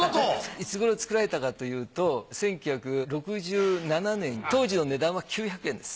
いつごろ作られたかというと１９６７年当時の値段は９００円です。